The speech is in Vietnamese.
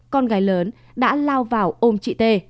con gái lớn đã lao vào ôm chị t